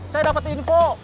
saya dapet info